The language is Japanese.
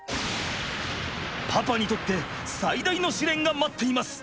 パパにとって最大の試練が待っています。